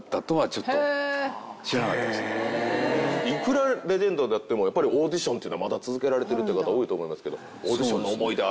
いくらレジェンドであってもやっぱりオーディションっていうのはまだ続けられてるっていう方多いと思いますけど。